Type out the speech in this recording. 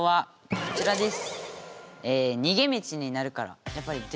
こちらです。